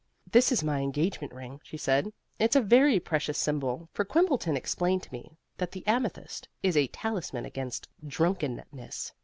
"This is my engagement ring," she said. "It's a very precious symbol, for Quimbleton explained to me that the amethyst is a talisman against drunkenness.